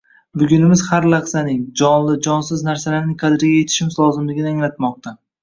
Bugunimiz har lahzaning, jonli, jonsiz narsalarning qadriga yetishimiz lozimligini anglatmoqda.